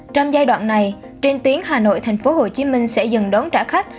trong giai đoạn này trên tuyến hà nội tp hcm sẽ dừng đón trả khách